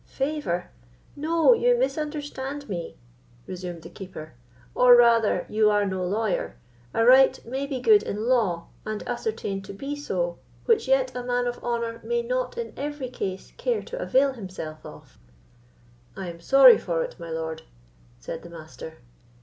"Favour! No, you misunderstand me," resumed the Keeper; "or rather you are no lawyer. A right may be good in law, and ascertained to be so, which yet a man of honour may not in every case care to avail himself of." "I am sorry for it, my lord," said the Master.